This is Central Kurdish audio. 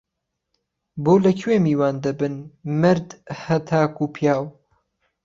بۆ له کوێ میوان دهبن مهرد هه تاکو پیاو